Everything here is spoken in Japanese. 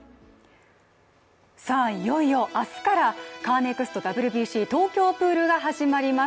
いよいよ明日からカーネクストＷＢＣ東京プールが始まります。